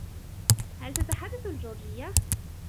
هل تتحدث الجورجية ؟